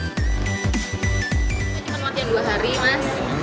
ini cuma waktu yang dua hari mas